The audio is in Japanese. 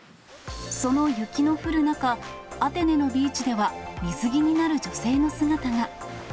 その雪の降る中、アテネのビーチでは、水着になる女性の姿が。